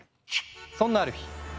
そんなある日。